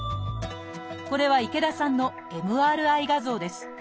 これは池田さんのＭＲＩ画像です。